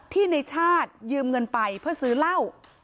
ในชาติยืมเงินไปเพื่อซื้อเหล้า